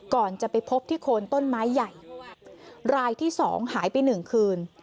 ก่อนจะไปพบที่โคนต้นไม้ใหญ่รายที่๒หายไป๑คืน